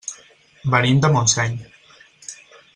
Venim de Montseny.